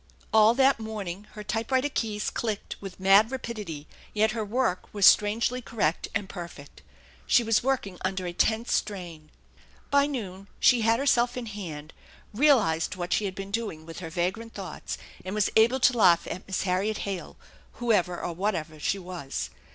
All that morning her typewriter keys clicked with mad rapidity, yet her work was strangely correct and perfect. She was working under a tense strain. By noon she had herself in hand, realized what she had been doing with her vagrant thoughts, and was able to laugh at Miss Harriet Hale whoever or whatever she was.